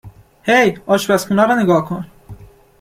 هی آشپرخونه رو نیگا کن